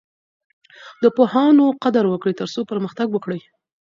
د پوهانو قدر وکړئ ترڅو پرمختګ وکړئ.